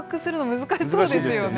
難しいですよね。